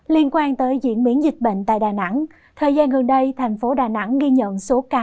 liên quan tới diễn biến dịch bệnh tại đà nẵng thời gian gần đây thành phố đà nẵng ghi nhận số ca